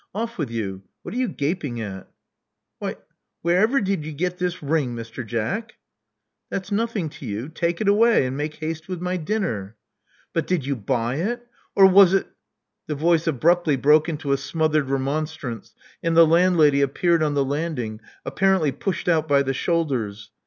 Off with you. What are you gaping at?" Why, wherever did you get this ring, Mr. Jack?" That's nothing to you. Take it away; and make haste with my dinner." •*But did you buy it? Or was it " The voice abruptly broke into a smothered remonstrance; and the landlady appeared on the landing, apparently pushed out by the shoulders.